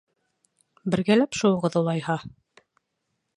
— Бергәләп шыуығыҙ, улайһа.